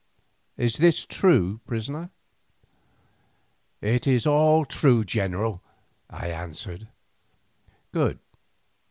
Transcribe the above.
Is this true, prisoner?" "It is all true, general," I answered. "Good.